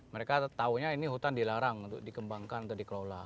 mereka tahunya ini hutan dilarang untuk dikembangkan atau dikelola